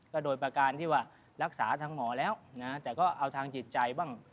ก็โดยประการที่ว่ารักษาทางหมอแล้วนะแต่ก็เอาทางจิตใจบ้าง